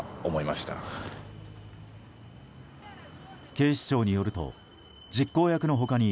警視庁によると実行役の他に